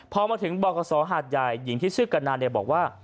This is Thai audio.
พอมาถึงบขหาดใหญ่หญิงที่ชื่อกันนานบอกว่า